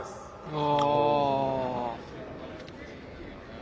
お！